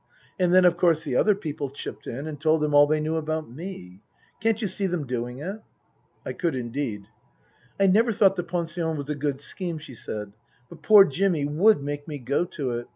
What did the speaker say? And then of course the other people chipped in and told them all they knew about me. Can't you see them doing it?" I could indeed. " I never thought the pension was a good scheme," she said ;" but poor Jimmy would make me go to it.